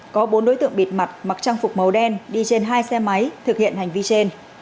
có bốn đối tượng bịt mặt mặc trang phục màu đen đi trên hai xe máy thực hiện hành vi trên